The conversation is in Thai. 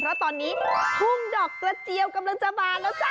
เพราะตอนนี้ทุ่งดอกกระเจียวกำลังจะบานแล้วจ้ะ